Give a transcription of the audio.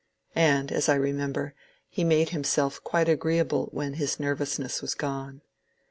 And, as I remember, he made him self quite agreeable when his nervousness was gone.